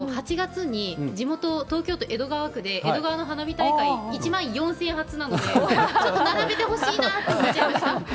私、ここに書いてないんですけれども、８月に、地元、東京都江戸川区で、江戸川の花火大会、１万４０００発なので、ちょっと並べてほしいなと思いました。